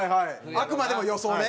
あくまでも予想ね。